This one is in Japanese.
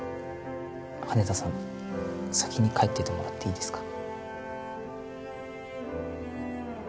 羽田さん先に帰っててもらっていいですか